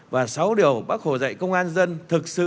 và sáu điều bác hồ dạy công an dân thực sự